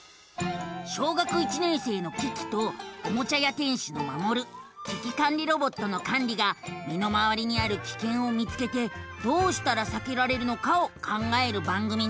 小学１年生のキキとおもちゃ屋店主のマモル危機管理ロボットのカンリがみのまわりにあるキケンを見つけてどうしたらさけられるのかを考える番組なのさ。